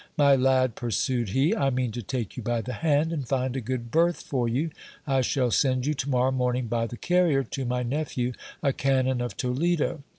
My lad, pursued he, I mean to take you by the hand, and find a good berth for you. I shall send you to morrow morning, by the carrier, to my nephew, a canon of Toledo.